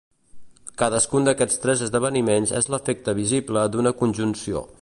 Cadascun d'aquests tres esdeveniments és l'efecte visible d'una conjunció.